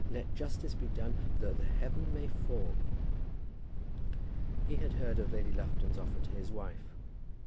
Let justice be done, though the heaven may fall. He had heard of Lady Lufton's offer to his wife.